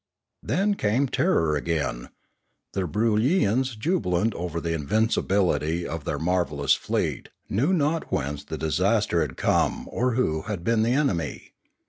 Then came terror again. The Broolyians, jubilant over the invincibility of their marvellous fleet, knew not whence the disaster had come or who had been the euemy.